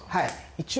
一応。